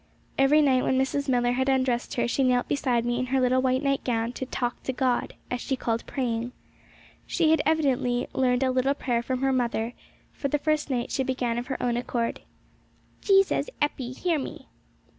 Every night, when Mrs. Millar had undressed her, she knelt beside me in her little white nightgown to 'talk to God,' as she called praying. She had evidently learnt a little prayer from her mother, for the first night she began of her own accord 'Jesus, Eppy, hear me.'